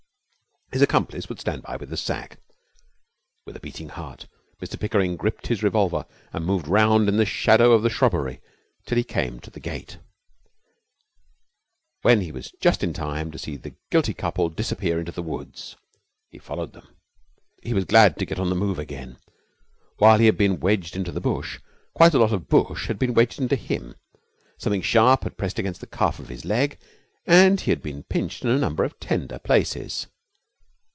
His accomplice would stand by with the sack. With a beating heart Mr Pickering gripped his revolver and moved round in the shadow of the shrubbery till he came to the gate, when he was just in time to see the guilty couple disappear into the woods. He followed them. He was glad to get on the move again. While he had been wedged into the bush, quite a lot of the bush had been wedged into him. Something sharp had pressed against the calf of his leg, and he had been pinched in a number of tender places.